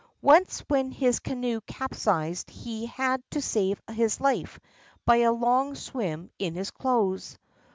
Once when his canoe capsized he had to save his life by a long swim in his clothes.